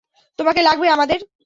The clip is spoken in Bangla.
তোমাকে লাগবে আমাদের!